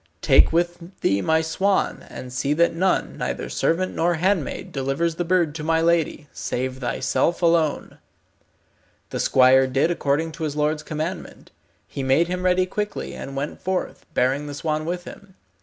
Take with thee my swan, and see that none, neither servant nor handmaid, delivers the bird to my lady, save thyself alone." The squire did according to his lord's commandment. He made him ready quickly, and went forth, bearing the swan with him.